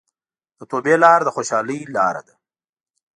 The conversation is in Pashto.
د توبې لار د خوشحالۍ لاره ده.